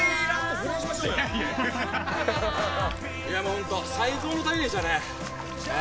本当、最高の旅でしたね。